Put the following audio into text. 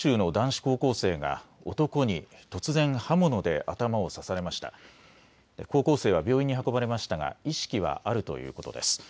高校生は病院に運ばれましたが意識はあるということです。